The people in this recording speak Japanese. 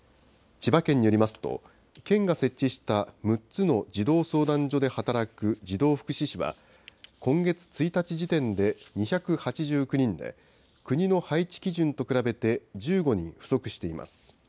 千葉県によりますと、県が設置した６つの児童相談所で働く児童福祉司は、今月１日時点で２８９人で、国の配置基準と比べて１５人不足しています。